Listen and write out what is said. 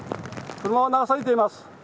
車が流されています。